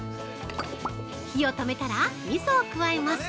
火を止めたらみそを加えます！